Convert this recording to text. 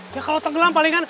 ya kalau tenggelam palingan